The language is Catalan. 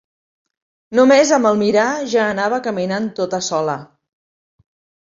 No més amb el mirar ja anava caminant tota sola.